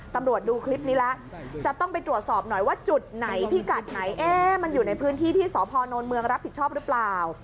ดูคลิปนี้แล้วจะต้องไปตรวจสอบหน่อยว่าจุดไหนพิกัดไหนมันอยู่ในพื้นที่ที่สพนเมืองรับผิดชอบหรือเปล่า